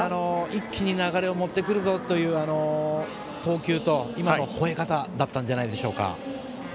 一気に流れを持ってくるぞという投球と、ほえ方だったんじゃないでしょうか。